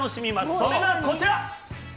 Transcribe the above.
それがこちら。